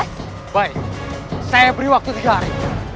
baik saya beri waktu tiga hari